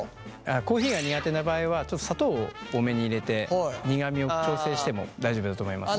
コーヒーが苦手な場合はちょっと砂糖を多めに入れて苦みを調整しても大丈夫だと思います。